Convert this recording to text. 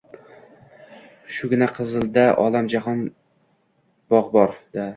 — Shugina Qizilda olam-jahon bog‘ bor-a?